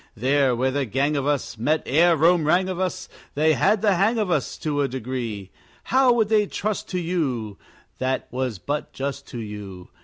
There where the gang of us Met ere Rome rang of us, They had the hang of us To a degree. How they would trust to you! That was but just to you.